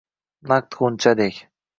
Naq g’unchadek